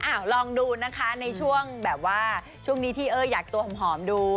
ลองดูนะคะในช่วงแบบว่าช่วงนี้ที่เอออยากตัวหอมดู